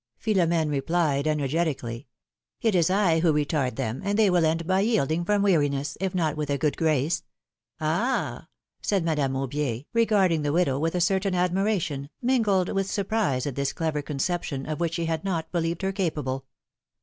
Philomene replied, energetically, ^Mt is I who retard them, and they will end by yielding from weari ness, if not with a good grace ! ^^Ah ! said Madame iVubier, regarding the widow with a certain admiration, mingled with surprise at this clever conception, of which she had not believed her capable.